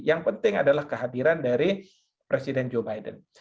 yang penting adalah kehadiran dari presiden joe biden